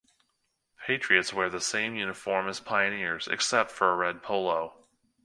Patriots wear the same uniform as Pioneers, except for a red polo.